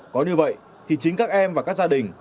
có như vậy thì chính các em và các gia đình